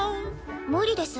無理です。